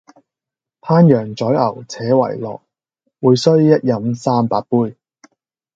烹羊宰牛且為樂，會須一飲三百杯！